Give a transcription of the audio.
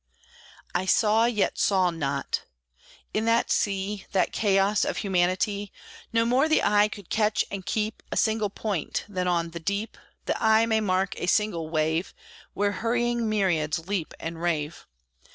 I saw, yet saw not. In that sea, That chaos of humanity, No more the eye could catch and keep A single point, than on the deep The eye may mark a single wave, Where hurrying myriads leap and rave.